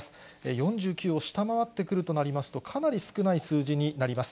４９を下回ってくるとなりますと、かなり少ない数字になります。